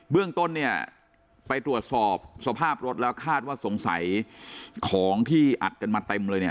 เรื่องต้นเนี่ยไปตรวจสอบสภาพรถแล้วคาดว่าสงสัยของที่อัดกันมาเต็มเลยเนี่ย